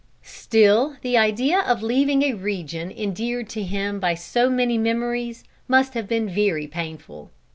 Still the idea of leaving a region endeared to him by so many memories must have been very painful.